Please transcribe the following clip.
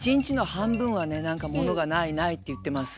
「ものがないない」って言ってます。